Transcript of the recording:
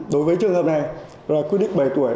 đối với trường hợp này quy định bảy tuổi